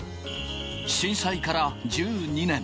震災から１２年。